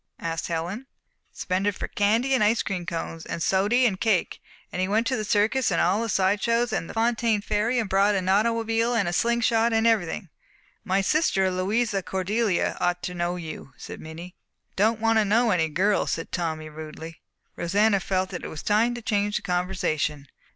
asked Helen. "Spent it for candy and ice cream cones and sody and cake, and he went to the circus and all the side shows, and Fontaine Ferry and bought a nautomobile and sling shot and everything." "My sister Louisa Cordelia ought to know you," said Minnie. "Don't want to know any girls," said Tommy rudely. Rosanna felt that it was time to change the conversation.